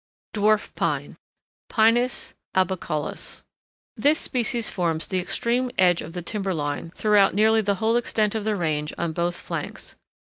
DWARF PINE (Pinus albicaulis) This species forms the extreme edge of the timber line throughout nearly the whole extent of the range on both flanks.